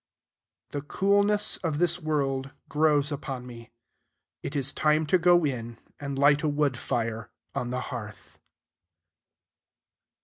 The coolness of this world grows upon me. It is time to go in and light a wood fire on the hearth.